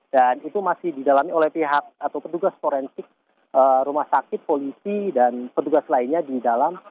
dan itu masih didalami oleh pihak atau petugas forensik rumah sakit polisi dan petugas lainnya di dalam